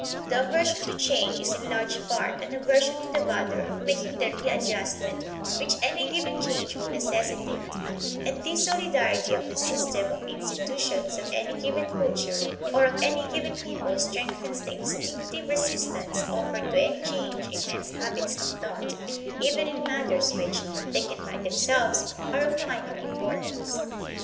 The aversion to change is in large part an aversion to the bother of making the readjustment which any given change will necessitate; and this solidarity of the system of institutions of any given culture or of any given people strengthens the instinctive resistance offered to any change in men's habits of thought, even in matters which, taken by themselves, are of minor importance.